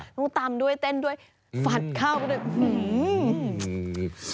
ต้องตามด้วยเต้นด้วยฝั่นเข้าก็ได้